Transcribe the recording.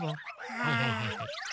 はいはいはいはい。